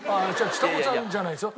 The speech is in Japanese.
ちさ子ちゃんじゃないですよ。